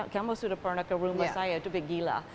kamu sudah pernah ke rumah saya itu begila